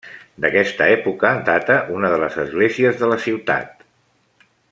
D'aquesta època data una de les esglésies de la ciutat.